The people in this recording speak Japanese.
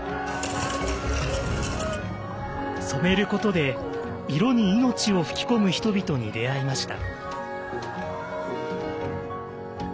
「染めること」で色に命を吹き込む人々に出会いました。